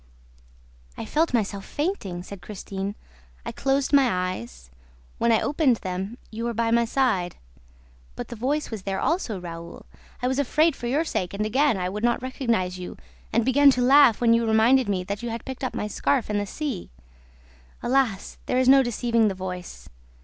"I felt myself fainting," said Christine, "I closed my eyes. When I opened them, you were by my side. But the voice was there also, Raoul! I was afraid for your sake and again I would not recognize you and began to laugh when you reminded me that you had picked up my scarf in the sea! ... Alas, there is no deceiving the voice!